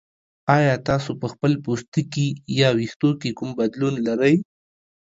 ایا تاسو په خپل پوستکي یا ویښتو کې کوم بدلون لرئ؟